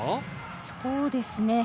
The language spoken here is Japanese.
そうですね。